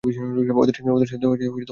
ওদের সাথে তোমার কানেকশন কী?